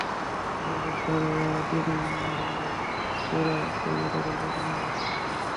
তারপর সেরা তিন ধারণা যারা দেবে, তাদের পাঠানো হবে সিলিকন ভ্যালিতে।